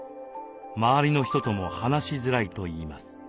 周りの人とも話しづらいといいます。